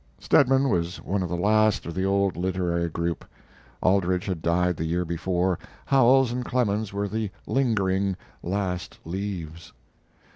Stedman was one of the last of the old literary group. Aldrich had died the year before. Howells and Clemens were the lingering "last leaves."